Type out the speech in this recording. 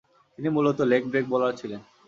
তিনি মূলতঃ leg-break bowler ছিলেন।